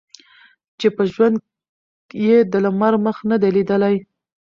چي په ژوند یې د لمر مخ نه دی لیدلی